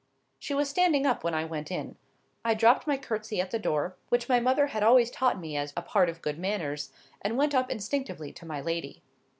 She was standing up when I went in. I dropped my curtsey at the door, which my mother had always taught me as a part of good manners, and went up instinctively to my lady.